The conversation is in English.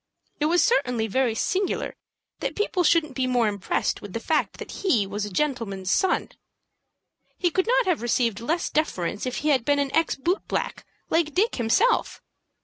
It was certainly very singular that people shouldn't be more impressed with the fact that he was a gentleman's son. He could not have received less deference if he had been an ex boot black, like Dick himself.